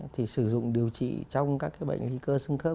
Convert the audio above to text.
thì sử dụng điều trị trong các bệnh lý cơ xương khớp